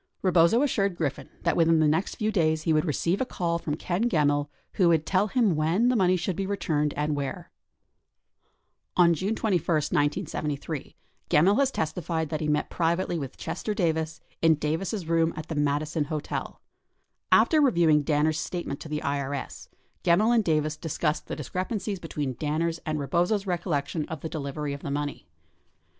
Rebozo assured Griffin that within the next few days he would receive a call from Ken Gemmill who would tell him when the money should be returned and where. 66 On June 21, 1973, Gemmill has testified that he met privately with Chester Davis in Davis' room at the Madison Hotel. After reviewing Danner's statement to the IRS, Gemmill and Davis discussed the dis crepancies between Danner's and Rebozo's recollection of the delivery of the money.